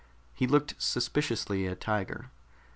He looked suspiciously at Tiger.